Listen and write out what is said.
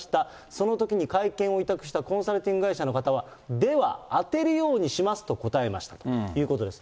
そのときに会見を委託したコンサルティング会社の方は、では、当てるようにしますと答えましたということです。